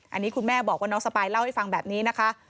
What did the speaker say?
อันนี้คุณแม่บอกว่าน้องสปายเล่าให้ฟังแบบนี้นะคะ